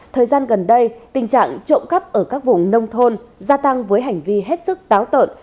thời gian gần đây tình trạng trộm cắp ở các vùng nông thôn gia tăng với hành vi hết sức táo tợn